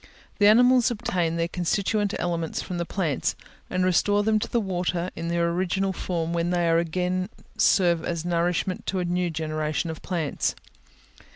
The animals obtain their constituent elements from the plants, and restore them to the water in their original form, when they again serve as nourishment to a new generation of plants.